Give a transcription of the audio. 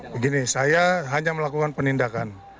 begini saya hanya melakukan penindakan